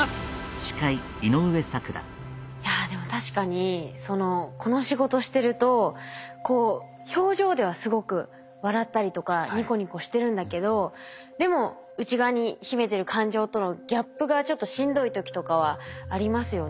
いやでも確かにこの仕事してるとこう表情ではすごく笑ったりとかニコニコしてるんだけどでも内側に秘めてる感情とのギャップがちょっとしんどい時とかはありますよね。